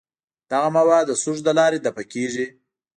دغه مواد د سږو له لارې دفع کیږي.